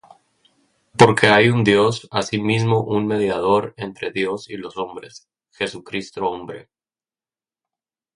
Porque hay un Dios, asimismo un mediador entre Dios y los hombres, Jesucristo hombre;